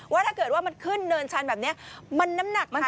ว่าถ้าเกิดว่ามันขึ้นเนินชันแบบนี้มันน้ำหนักนะคะ